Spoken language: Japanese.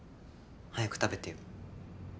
早く食べてよ。